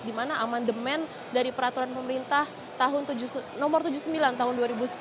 di mana amandemen dari peraturan pemerintah nomor tujuh puluh sembilan tahun dua ribu sepuluh